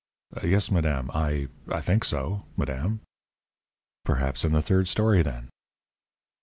"Yes, madame. I I think so, madame." "Perhaps in the third story, then?"